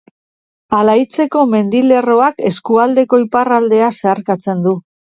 Alaitzeko mendilerroak eskualdeko iparraldea zeharkatzen du.